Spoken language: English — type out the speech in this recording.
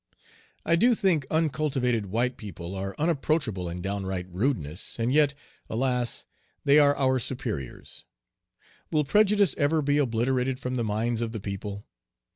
I do think uncultivated white people are unapproachable in downright rudeness, and yet, alas! they are our superiors. Will prejudice ever be obliterated from the minds of the people?